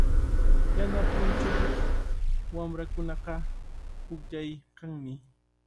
Yana punchuyuq wamrakunaqa pukllaykanmi.